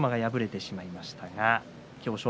馬敗れてしまいました。